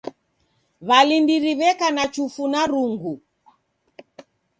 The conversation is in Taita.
W'alindiri w'eka na chufu na rungu.